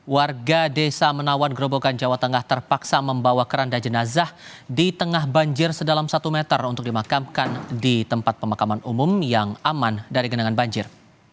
warga desa menawan gerobogan jawa tengah terpaksa membawa keranda jenazah di tengah banjir sedalam satu meter untuk dimakamkan di tempat pemakaman umum yang aman dari genangan banjir